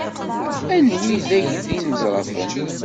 Anwi ay d inezrafen?